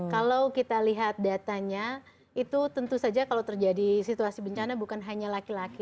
kalau kita lihat datanya itu tentu saja kalau terjadi situasi bencana bukan hanya laki laki